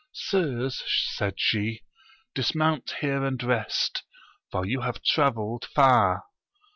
Sirs, said she, dismount here and rest, for you have travelled far.